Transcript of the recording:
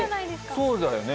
そうだよね。